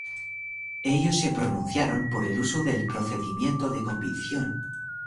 Ellos se pronunciaron por el uso del procedimiento de convicción.